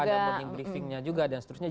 ada morning briefingnya juga dan seterusnya